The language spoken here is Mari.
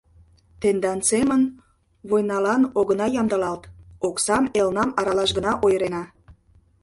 — Тендан семын войналан огына ямдылалт, оксам элнам аралаш гына ойырена.